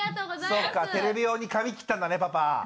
そっかテレビ用に髪切ったんだねパパ。